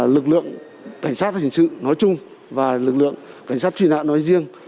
lực lượng cảnh sát và chiến sĩ nói chung và lực lượng cảnh sát truy nã nói riêng